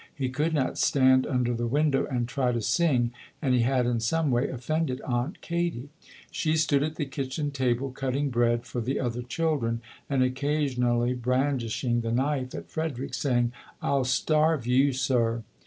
He could not stand under the window and try to sing and he had in some way offended Aunt Katie. She stood at the kitchen table cutting bread for the other children and occasionally brandish ing the knife at Frederick, saying, "I'll starve you, sir".